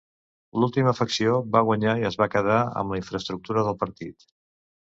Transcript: L'última facció va guanyar i es va quedar amb la infraestructura del partit.